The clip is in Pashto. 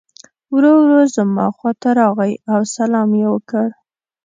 ورو ورو زما خواته راغی او سلام یې وکړ.